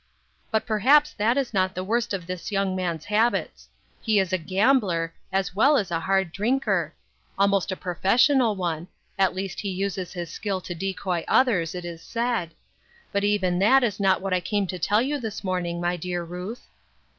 " But perhaps that is not the worst of this young man's habits. He is a gambler, as well as a hard drinker ; almost a professional one ; at least he uses his skill to decoy others, it is said. But even that is not what I came to tell you this morning, my dear Ruth."